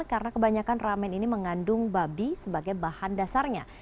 karena kebanyakan ramen ini mengandung babi sebagai bahan dasarnya